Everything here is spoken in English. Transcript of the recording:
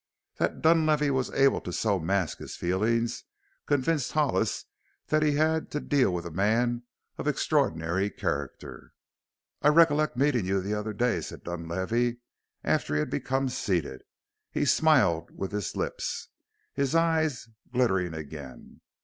That Dunlavey was able to so mask his feelings convinced Hollis that he had to deal with a man of extraordinary character. "I recollect meeting you the other day," said Dunlavey after he had become seated. He smiled with his lips, his eyes glittering again.